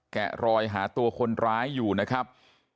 แกะรอยหาตัวคนร้ายอยู่นะครับ